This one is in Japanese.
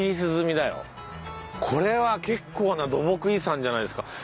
これは結構な土木遺産じゃないですか。